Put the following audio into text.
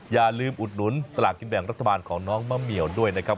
อย่าลืมอุดหนุนสลากกินแบ่งรัฐบาลของน้องมะเหมียวด้วยนะครับ